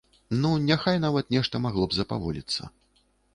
Ну, няхай нават нешта магло б запаволіцца.